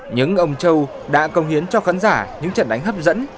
những ông châu đã công hiến cho khán giả những trận đánh hấp dẫn